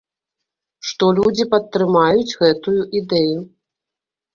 Што людзі падтрымаюць гэтую ідэю.